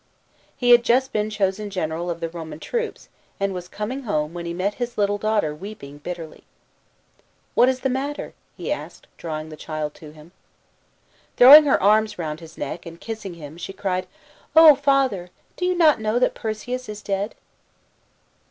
He had just been chosen general of the Roman troops, and was coming home when he met Lis little daughter weeping bitterly. " What is the matter ?" he asked, drawing the child to him. Throwing her arms round his neck and kissing him, she cried, " O father, do you not know that Perseus is dead